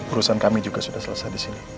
urusan kami juga sudah selesai disini